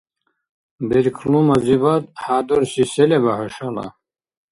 Берклумазибад хӀядурси се леба хӀушала?